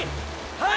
はい！